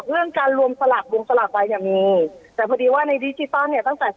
เนี่ยเกี่ยวกับเรื่องการรวมสลักรวมสลักไว้เนี่ยมีแต่พอดีว่าในดิจิตอลเนี่ยตั้งแต่